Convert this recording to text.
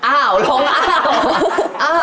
อ้าวลองอ้าว